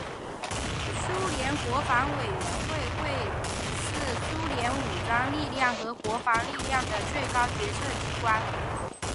苏联国防委员会是苏联武装力量和国防体系的最高决策机关。